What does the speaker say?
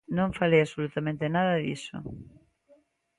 Non falei absolutamente nada diso.